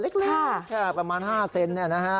เล็กใช่ประมาณ๕เซนต์นะฮะ